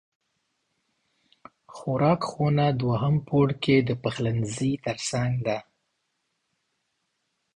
خوراک خونه دوهم پوړ کې د پخلنځی تر څنګ ده